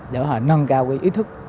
để họ nâng cao ý thức